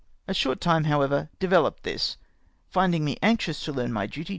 A short time, however, developed this. Finding me anxious to learn my duty.